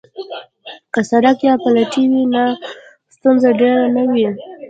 که سړک یا پټلۍ وي نو ستونزه ډیره نه وي